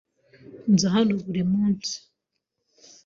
Nza hano buri munsi.